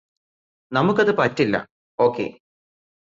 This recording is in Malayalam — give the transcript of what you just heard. നമുക്ക് അത് പറ്റില്ല ഓക്കേ